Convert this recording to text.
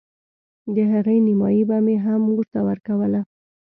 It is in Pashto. د هغې نيمايي به مې هم مور ته ورکوله.